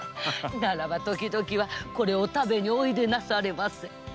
ならば時々はこれを食べにおいでなされませ。